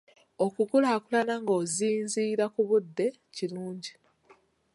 Okukulaakulana ng'ozinziira ku budde kirungi.